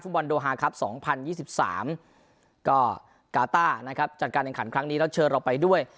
บอลโดฮาครับ๒๐๒๓ก็กาต้านะครับจัดการแข่งขันครั้งนี้แล้วเชิญเราไปด้วย